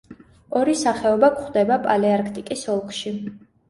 ორი სახეობა გვხვდება პალეარქტიკის ოლქში.